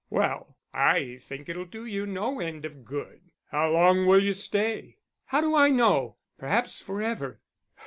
"Well, I think it'll do you no end of good. How long will you stay?" "How do I know! Perhaps for ever."